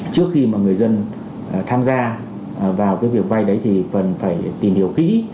trước khi mà người dân tham gia vào cái việc vay đấy thì cần phải tìm hiểu kỹ